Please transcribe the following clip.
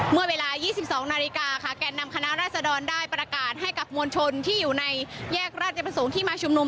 เมื่อเวลา๒๒นาฬิกาค่ะแก่นนำคณะราชดรได้ประกาศให้กับมวลชนที่อยู่ในแยกราชประสงค์ที่มาชุมนุม